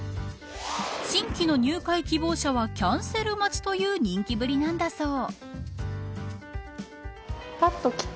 新規の入会希望者はキャンセル待ちという人気ぶりなんだそう。